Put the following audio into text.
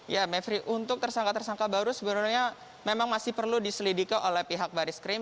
ya mevri untuk tersangka tersangka baru sebenarnya memang masih perlu diselidiki oleh pihak baris krim